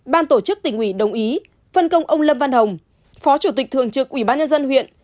ban tổ chức tỉnh ủy đồng ý phân công ông lâm văn hồng phó chủ tịch thường trực ủy ban nhân dân huyện